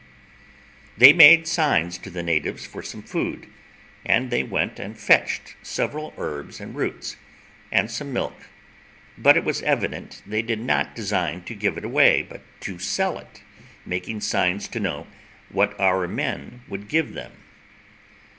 They made signs to the natives for some food, and they went and fetched several herbs and roots, and some milk; but it was evident they did not design to give it away, but to sell it, making signs to know what our men would give them.